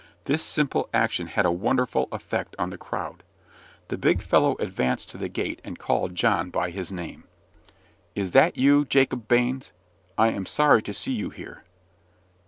This simple action had a wonderful effect on the crowd. The big fellow advanced to the gate and called John by his name. "Is that you, Jacob Baines? I am sorry to see you here."